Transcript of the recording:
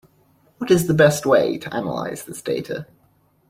What is the best way to analyze this data?